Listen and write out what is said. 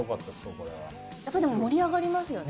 これはやっぱでも盛り上がりますよね